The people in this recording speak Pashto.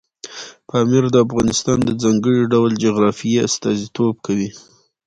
پامیر د افغانستان د ځانګړي ډول جغرافیې استازیتوب کوي.